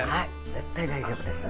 絶対大丈夫です。